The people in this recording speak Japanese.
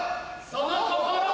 その心は？